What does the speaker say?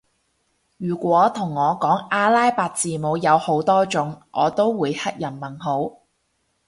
如果同我講阿拉伯字母有好多種我都會黑人問號